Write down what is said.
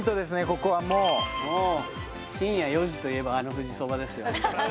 ここはもうもう深夜４時といえばあの富士そばですよ